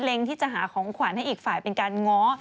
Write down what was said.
ที่จะหาของขวัญให้อีกฝ่ายเป็นการง้อ